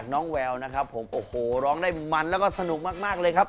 เธอคนนั้นคือใครครับ